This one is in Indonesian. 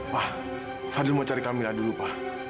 ma fadil mau cari kamila dulu ma